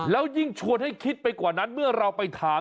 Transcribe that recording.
แล้วยิ่งชวนให้คิดไปกว่านั้นเมื่อเราไปถาม